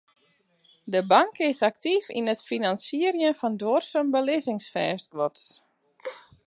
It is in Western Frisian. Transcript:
De bank is aktyf yn it finansierjen fan duorsum belizzingsfêstguod.